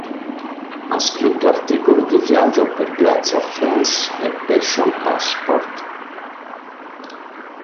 Ha scritto articoli di viaggio per Grazia France e Passion Passport.